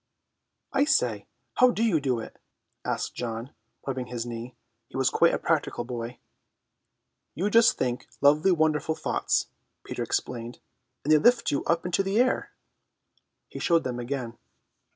"I say, how do you do it?" asked John, rubbing his knee. He was quite a practical boy. "You just think lovely wonderful thoughts," Peter explained, "and they lift you up in the air." He showed them again.